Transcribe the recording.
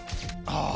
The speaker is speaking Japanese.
ああ。